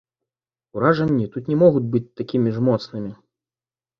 Уражанні тут не могуць быць такімі ж моцнымі.